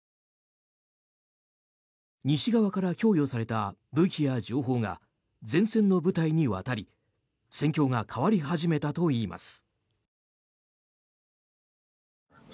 西側から供与された武器や情報が前線の部隊に渡り戦況が変わり始めたといいます。